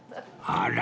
あら！